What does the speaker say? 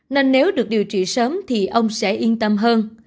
nên nếu được điều trị sớm thì ông sẽ yên tâm hơn